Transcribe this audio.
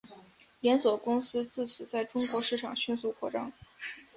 连锁公司自此在中国市场迅速扩张。